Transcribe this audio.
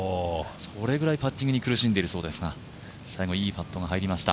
それぐらいパッティングに苦しんでいるそうですが、最後、いいパットが入りました。